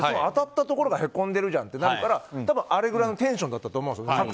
当たったところがへこんでるじゃんとなるから多分あれぐらいのテンションだったと思うんですよ。